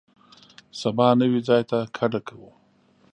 سبا نوي ځای ته کډه کوو.